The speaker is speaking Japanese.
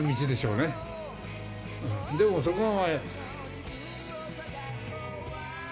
でもそこが。